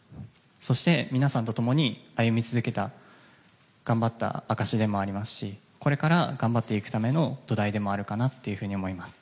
そして、皆さんと共に歩み続けた頑張った証しでもありますしこれから頑張っていくための土台でもあるかなって思います。